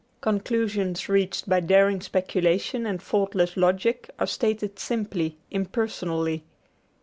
Conclusions reached by daring speculation and faultless logic are stated simply, impersonally.